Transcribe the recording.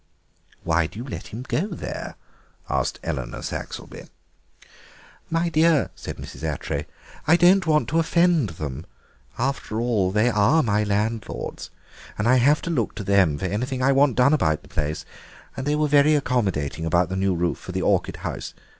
"Why do you let him go there?" asked Eleanor Saxelby. "My dear," said Mrs. Attray, "I don't want to offend them. After all, they are my landlords and I have to look to them for anything I want done about the place; they were very accommodating about the new roof for the orchid house.